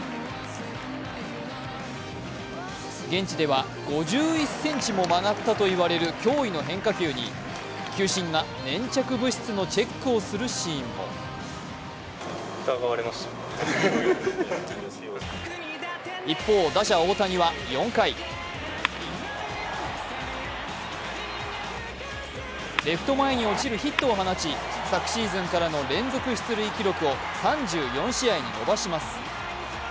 現地では５１ｃｍも曲がったと言われる驚異の変化球に球審が粘着物質のチェックをするシーンも一方、打者・大谷は４回レフト前に落ちるヒットを放ち、昨シーズンからの連続出塁記録を３４試合に伸ばします。